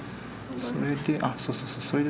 それであっそうそう